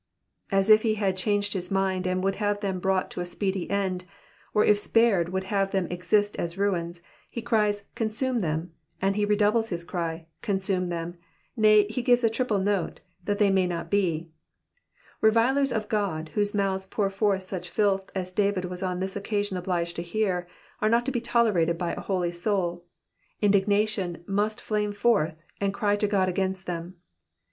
'''* As if he had changed his mind and would have them brought to a speedy end, or if spared would have them exist as ruins, he cries, consume them," and he redoubles his cry, eousume thm ;'''* nay, he gives a triple note, that they may not be,^^ Revilers of God whose mouths pour forth such filth as David was on this occasion obliged to hear, are not to DC tolerated by a holy soul ; indignation must fiame forth, and cry to God against them.